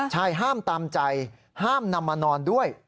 ห้ามตามใจห้ามนำมานอนด้วย